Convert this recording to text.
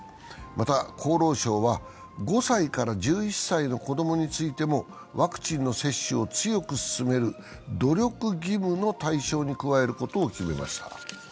また、厚労省は５歳から１１歳の子供についてもワクチンの接種を強く勧める努力義務の対象に加えることを決めました。